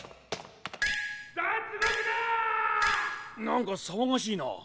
なんかさわがしいな。